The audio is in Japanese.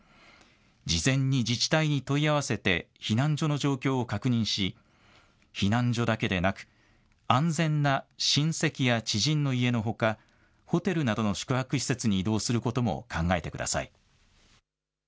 事前に自治体に問い合わせて避難所の状況を確認し避難所だけでなく安全な親戚や知人の家のほかホテルなどの宿泊施設に移動することも考えてください。